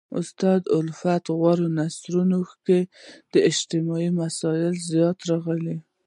استاد الفت په غوره نثرونو کښي اجتماعي مسائل زیات راغلي.